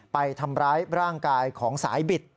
ไปทำร้ายร่างกายของสายบิด